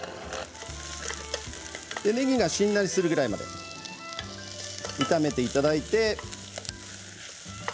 ねぎがしんなりするぐらい炒めていただいて。